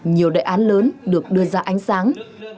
nhiều đại án lớn được đưa ra ánh sáng